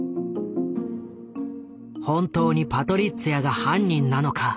本当にパトリッツィアが犯人なのか。